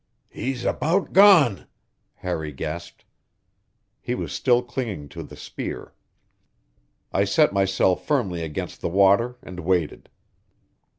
"He's about gone!" Harry gasped. He was still clinging to the spear. I set myself firmly against the water and waited.